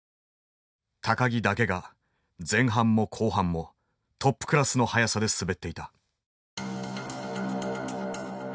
木だけが前半も後半もトップクラスの速さで滑っていた。